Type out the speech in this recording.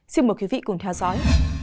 xin mời quý vị cùng theo dõi